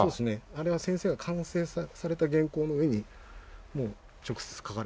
あれは先生が完成された原稿の上にもう直接書かれた。